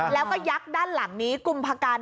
แล้วก็ยักษ์ด้านหลังนี้กุมภากัน